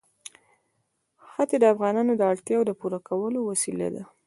ښتې د افغانانو د اړتیاوو د پوره کولو وسیله ده.